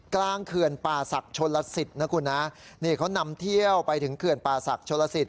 เขื่อนป่าศักดิ์ชนลสิทธิ์นะคุณนะนี่เขานำเที่ยวไปถึงเขื่อนป่าศักดิชนลสิต